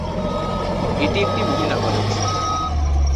এটি একটি মহিলা কলেজ।